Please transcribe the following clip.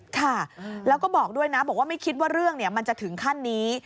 ค่ะแล้วก็บอกด้วยนะบอกว่าไม่คิดว่าเรื่องมันจะถึงขั้นนี้